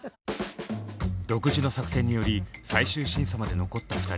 独自の作戦により最終審査まで残った２人。